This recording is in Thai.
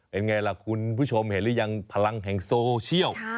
เป็นไงล่ะคุณผู้ชมเห็นหรือยังพลังแห่งโซเชียล